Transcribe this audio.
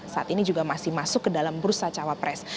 saat ini juga masih masuk ke dalam bursa cawapres